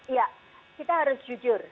iya kita harus jujur